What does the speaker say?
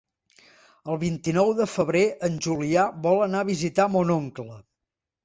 El vint-i-nou de febrer en Julià vol anar a visitar mon oncle.